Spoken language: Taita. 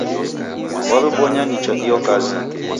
Waw'ebonya nicha iyo kazi.